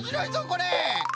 これ。